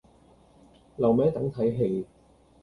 留名等睇戲